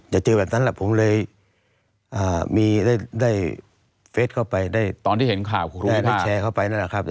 ให้แชร์เข้าไปนั่นแหละครับ